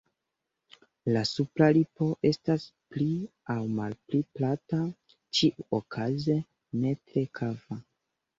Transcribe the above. La supra lipo estas pli aŭ malpli plata, ĉiuokaze ne tre kava.